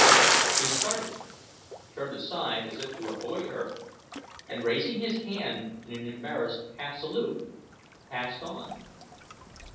He started, turned aside as if to avoid her, and raising his hand in an embarrassed half salute, passed on.